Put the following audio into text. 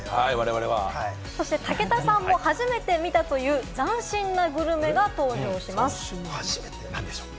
武田さんも初めて見たという斬新なグルメが登場します。